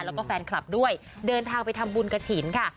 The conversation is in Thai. แล้วก็แฟนคลับด้วยเดินทางไปทำบุญกระถิ่นค่ะ